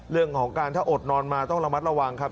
เรื่องของการถ้าอดนอนมาต้องระมัดระวังครับ